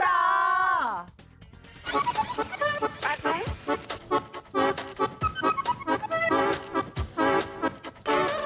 แปดไหม